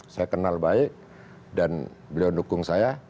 saya kenal baik dan beliau dukung saya